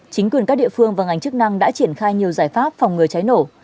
chính quyền các địa phương và ngành chức năng đã triển khai nhiều giải pháp phòng ngừa cháy nổ